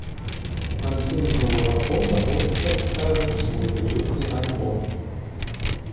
У канцы мінулага года гурт прадставіў свой дэбютны альбом.